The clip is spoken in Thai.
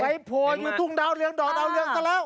โผล่อยู่ทุ่งดาวเรืองดอดดาวเรืองซะแล้ว